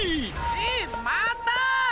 えっまた⁉